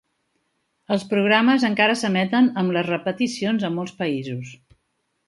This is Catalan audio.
Els programes encara s'emeten amb les repeticions a molts països.